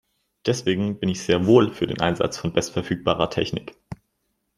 Deswegen bin ich sehr wohl für den Einsatz von bestverfügbarer Technik.